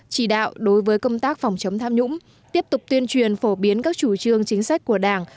chỉ đạo đối với công tác phòng chống tham nhũng tiếp tục tuyên truyền phổ biến các chủ trương chính sách của đảng